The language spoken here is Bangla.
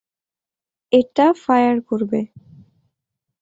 এটা ফায়ার করবে।